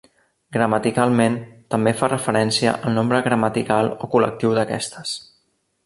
Gramaticalment, també fa referència al nombre gramatical o col·lectiu d'aquestes.